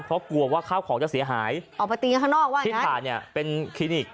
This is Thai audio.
เพราะกลัวว่าข้าวของจะเสียหายออกไปตีกันข้างนอกว่าที่ถ่ายเนี่ยเป็นคลินิก